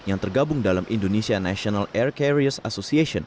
yang tergabung dalam indonesia national air carriers association